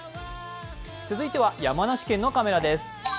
続いては山梨県のカメラです。